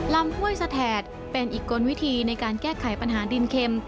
ห้วยสะแถดเป็นอีกกลวิธีในการแก้ไขปัญหาดินเข็ม